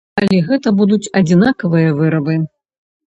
Але гэта будуць адзінкавыя вырабы.